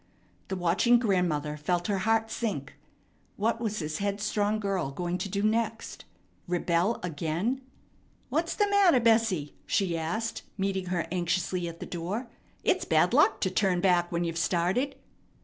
The watching grandmother felt her heart sink. What was this headstrong girl going to do next? Rebel again? "What's the matter, Bessie?" she asked, meeting her anxiously at the door. "It's bad luck to turn back when you've started."